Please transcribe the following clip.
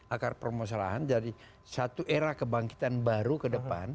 akar permasalahan dari satu era kebangkitan baru ke depan